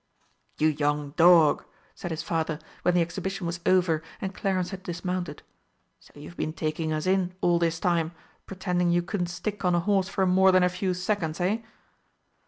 "You young dog!" said his father, when the exhibition was over and Clarence had dismounted. "So you've been taking us in all this time, pretending you couldn't stick on a horse for more than a few seconds, hey?"